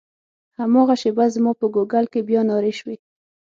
هماغه شېبه زما په ګوګل کې بیا نارې شوې.